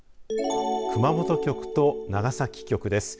熊本局と長崎局です。